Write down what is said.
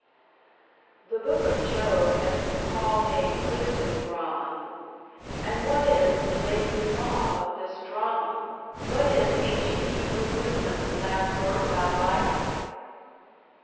The Book of Job has been called a "Wisdom drama": and what is the denouement of this drama, what is ancient Hebrew wisdom's last word about life?